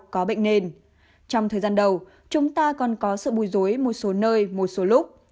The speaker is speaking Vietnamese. có bệnh nền trong thời gian đầu chúng ta còn có sự bùi dối một số nơi một số lúc